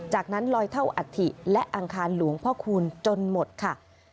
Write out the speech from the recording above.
จากนั้นลอยเท่าอัฐิและอังคารหลวงพ่อคูณจนหมดค่ะ